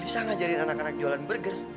lisa ngajarin anak anak jualan berger